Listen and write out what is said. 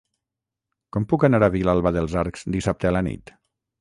Com puc anar a Vilalba dels Arcs dissabte a la nit?